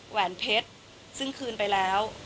แหวนเพชรซึ่งคืนไปแล้ว